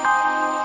kita ke rumah